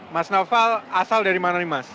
mas naufal asal dari mana nih mas